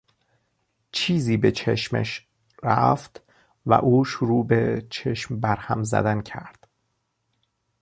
چیزی به چشمش رفت و او شروع به چشم بر هم زدن کرد.